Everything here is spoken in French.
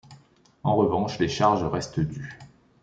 En revanche, les charges restent dues.